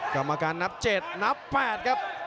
กรรมการนับเจ็ดนับแปดครับ